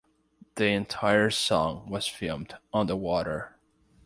The entire song was filmed underwater.